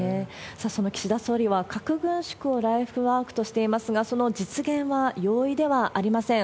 さあ、その岸田総理は核軍縮をライフワークとしていますが、その実現は容易ではありません。